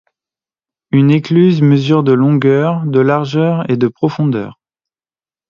Une écluse mesure de longueur, de largeur et de profondeur.